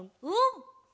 うん！